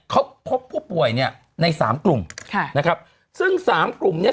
เขาพบผู้ป่วยเนี่ยในสามกลุ่มค่ะนะครับซึ่งสามกลุ่มเนี้ย